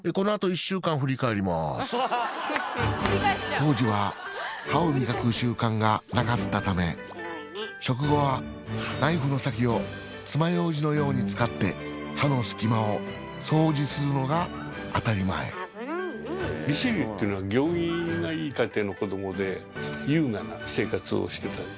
当時は歯を磨く習慣がなかったため食後はナイフの先をつまようじのように使って歯のすき間を掃除するのが当たり前リシュリューっていうのは行儀がいい家庭の子どもで優雅な生活をしていたんです。